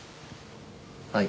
はい。